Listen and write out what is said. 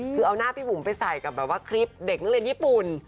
คือเอาหน้าพี่บุ๋มไปใส่กับแบบว่าคลิปเด็กนักเรียนญี่ปุ่น